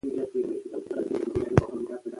که موږ یو بل ته لاس ورکړو نو بریالي یو.